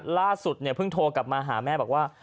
ล่าสุดเนี่ยเพิ่งโทรกลับมาหาแม่บอกว่า